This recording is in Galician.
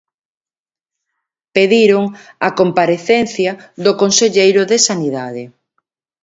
Pediron a comparecencia do conselleiro de Sanidade.